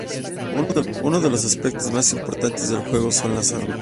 Uno de los aspectos más importantes del juego son las armas.